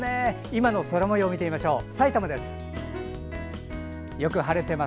今の空もようを見てみましょう。